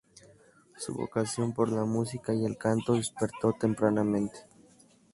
Su vocación por la música y el canto despertó tempranamente.